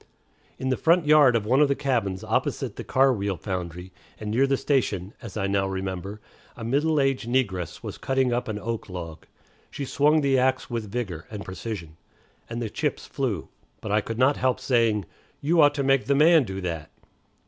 In the front yard of one of the cabins opposite the car wheel foundry, and near the station, as I now remember, a middle aged negress was cutting up an oak log. She swung the axe with vigor and precision, and the chips flew; but I could not help saying, "You ought to make the man do that."